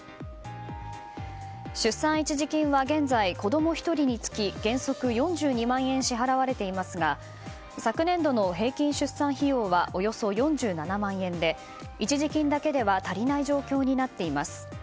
出産一時金は現在、子供１人につき原則４２万円支払われていますが昨年度の平均出産費用はおよそ４７万円で一時金だけでは足りない状況になっています。